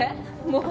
もう。